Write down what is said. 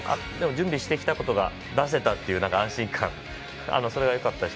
準備してきたことが出せたっていうのが安心感それはよかったです。